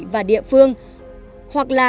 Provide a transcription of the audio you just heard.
và địa phương hoặc là